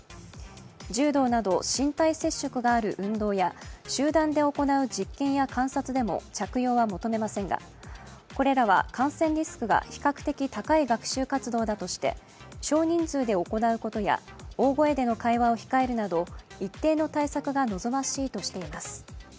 柔道など身体接触がある運動や集団で行う実験や観察でも着用は求めませんが、これらは感染リスクが比較的高い学習活動だとして、少人数で行うことや大声での会話を控えるなど、一定の対策が望ましいとしています。